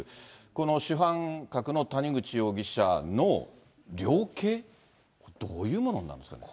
この主犯格の谷口容疑者の量刑、どういうものになるんですかね。